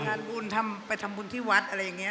ทำบุญไปทำบุญที่วัดอะไรอย่างนี้